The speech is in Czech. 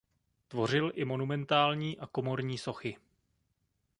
Tvořil i monumentální a komorní sochy.